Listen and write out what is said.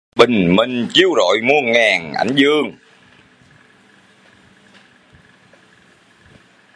Bình minh chiếu rọi muôn ngàn ánh dương